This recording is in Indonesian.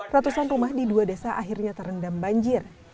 ratusan rumah di dua desa akhirnya terendam banjir